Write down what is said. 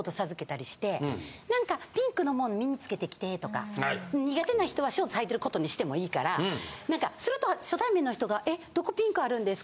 「何かピンクのもん身につけてきて」とか苦手な人はショーツはいてることにしてもいいからすると初対面の人が「どこピンクあるんですか？」